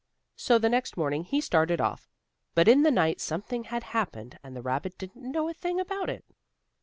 So the next morning he started off. But in the night something had happened and the rabbit didn't know a thing about it.